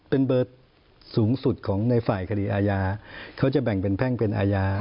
เป็นเบอร์สูงสุดของในฝ่ายคดีอาญาเขาจะแบ่งเป็นแพ่งเป็นอาญา